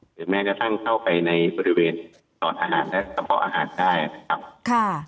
หรือแม้จะตั้งเข้าไปในบริเวณสอดอาหารและสะเพาะอาหารได้นะครับ